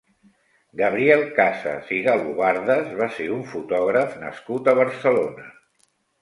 Gabriel Casas i Galobardes va ser un fotògraf nascut a Barcelona.